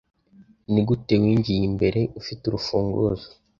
Nigute winjiye imbere? Ufite urufunguzo?